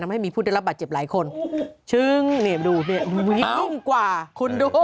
ทำให้มีผู้ได้รับบาดเจ็บหลายคนชึ้งนี่ดูนี่ยิ่งกว่าคุณดู